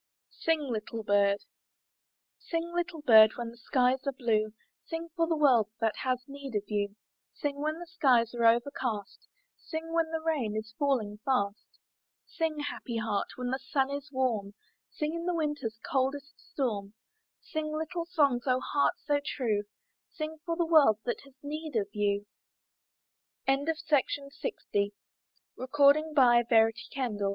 SING, LITTLE BIRD Sing, little bird, when the skies are blue; Sing, for the world has need of you; Sing when the skies are overcast; Sing when the rain is falling fast. Sing, happy heart, when the sun is warm; Sing in the winter's coldest storm; Sing little songs, O heart so true; Sing, for the world has nee